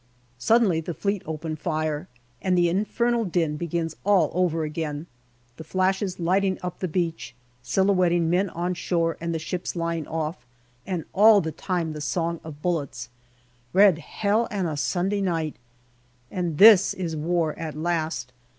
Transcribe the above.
Suddenly the Fleet open fire, and the infernal din begins all over again, the flashes lighting up the beach, silhouetting men on shore and ships lying off, and all the time the song of bullets. Red Hell and a Sunday night ! And this is war at last